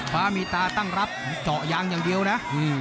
ฟ้ามีตาตั้งรับเจาะยางอย่างเดียวนะ